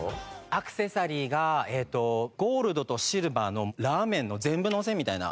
アクセサリーがゴールドとシルバーのラーメンの全部のせみたいな。